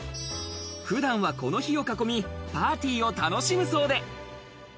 普段はこの火を囲み、パーティーを楽しむそうで。